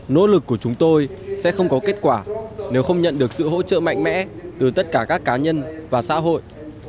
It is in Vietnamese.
nỗ lực của chúng tôi sẽ không có kết quả nếu không nhận được sự hỗ trợ mạnh mẽ từ tất cả các cá nhân và xã hội